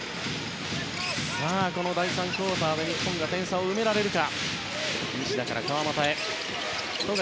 この第３クオーターで日本、点差を埋められるか。